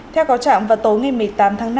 theo có trạng vào tối một mươi tám tháng năm